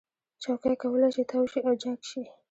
چوکۍ کولی شي تاو شي او جګ شي.